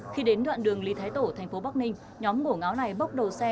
khi đến đoạn đường lý thái tổ thành phố bắc ninh nhóm ngổ ngáo này bốc đầu xe